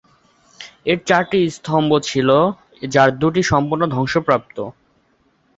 এর চারটি স্তম্ভ ছিল, যার দুটি সম্পূর্ণ ধ্বংসপ্রাপ্ত।